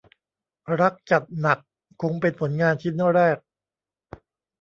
รักจัดหนักคงเป็นผลงานชิ้นแรก